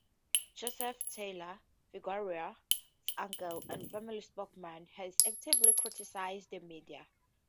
Joseph Taylor, Figueroa's uncle and family spokesman, has actively criticized the media.